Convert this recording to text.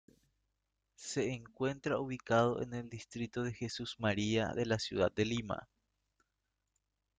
Se encuentra ubicado en el distrito de Jesús María de la ciudad de Lima.